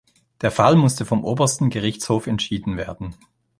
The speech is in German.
Der Fall musste vom Obersten Gerichtshof entschieden werden.